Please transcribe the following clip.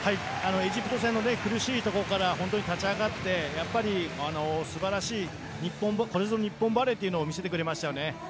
エジプト戦の苦しいところから勝ち上がってこれぞ日本バレーというのを見せてくれましたよね。